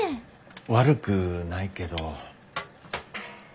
悪くないけど。